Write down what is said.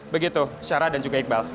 begitu syarah dan juga iqbal